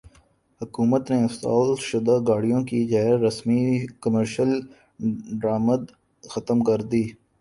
حکومت نے استعمال شدہ گاڑیوں کی غیر رسمی کمرشل درامد ختم کردی